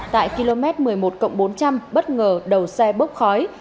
tại km một mươi một bốn trăm linh bất ngờ đầu xe bốc khói